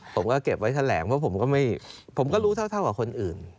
ผมก็เก็บไว้แถลงเพราะผมก็ไม่ผมก็รู้เท่ากับคนอื่น